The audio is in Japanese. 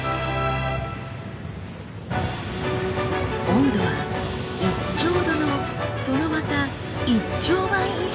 温度は１兆度のそのまた１兆倍以上！